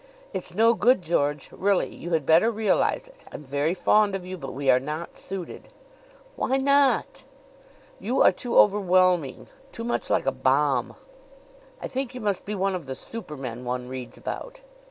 "It's no good, George. Really, you had better realize it. I'm very fond of you, but we are not suited!" "Why not?" "You are too overwhelming too much like a bomb. I think you must be one of the supermen one reads about.